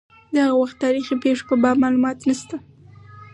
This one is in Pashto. د هغه وخت تاریخي پېښو په باب معلومات نشته.